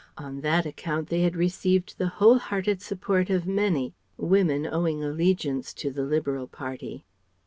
On that account they had received the whole hearted support of many, women owing allegiance to the Liberal Party.